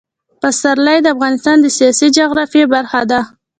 پسرلی د افغانستان د سیاسي جغرافیه برخه ده.